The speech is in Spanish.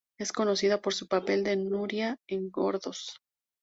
Es conocida por su papel de "Nuria" en Gordos.